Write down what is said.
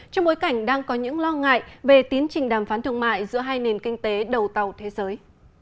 trong bối cảnh đang có những lo ngại về tiến trình đàm phán thương mại giữa hai nền kinh tế đầu tàu thế giới